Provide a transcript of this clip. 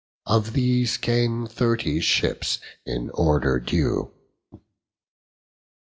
Of these came thirty ships in order due.